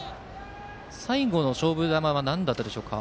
最後の勝負球はなんだったでしょうか。